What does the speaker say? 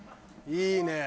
いいね。